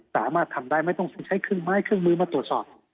สามารถทำได้ไม่ต้องใช้เครื่องไม้เครื่องมือมาตรวจสอบ